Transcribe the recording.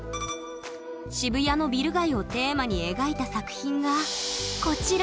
渋谷のビル街をテーマに描いた作品がこちら！